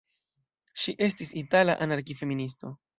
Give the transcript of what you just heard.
Ŝi estis itala anarki-feministo.